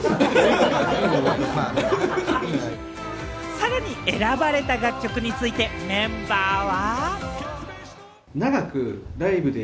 さらに選ばれた楽曲についてメンバーは。